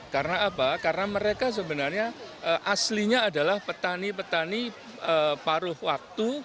karena apa karena mereka sebenarnya aslinya adalah petani petani paruh waktu